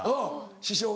師匠が。